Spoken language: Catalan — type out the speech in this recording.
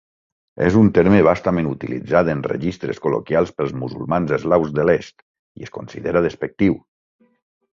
És un terme bastament utilitzat en registres col·loquials pels musulmans eslaus de l'est, i es considera despectiu.